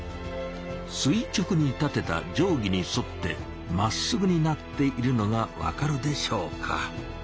すい直に立てたじょうぎにそってまっすぐになっているのがわかるでしょうか。